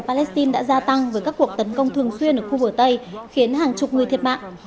palestine đã gia tăng với các cuộc tấn công thường xuyên ở khu bờ tây khiến hàng chục người thiệt mạng